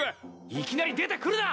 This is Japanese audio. いきなり出てくるな！